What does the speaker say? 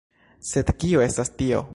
Sed kio estas tio?